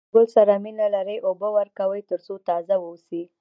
که د ګل سره مینه لرئ اوبه ورکوئ تر څو تازه واوسي.